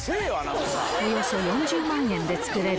およそ４０万円で造れる